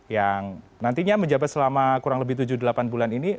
yang nantinya menjabat selama kurang lebih tujuh delapan bulan ini